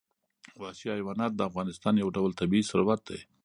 وحشي حیوانات د افغانستان یو ډول طبعي ثروت دی.